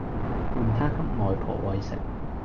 換她給外婆餵食